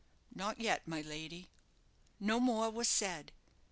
"Not yet, my lady." No more was said.